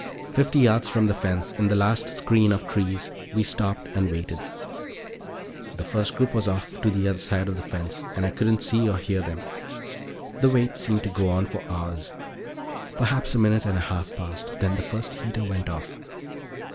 Fifty yards from the fence, in the last screen of trees, we stopped and waited. The first group was off to the other side of the fence, and I couldn't see or hear them. The wait seemed to go on for hours; perhaps a minute and a half passed. Then the first heater went off.